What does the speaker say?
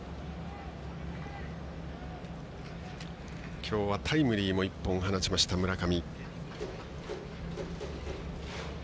きょうはタイムリーも１本放ちました、村上。